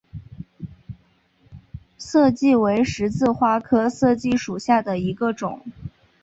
涩荠为十字花科涩荠属下的一个种。